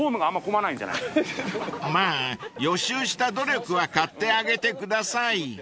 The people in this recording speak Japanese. ［まぁ予習した努力は買ってあげてください］